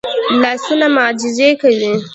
لاسونه معجزې کوي